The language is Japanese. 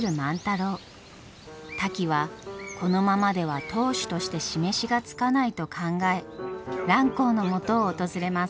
タキはこのままでは当主として示しがつかないと考え蘭光のもとを訪れます。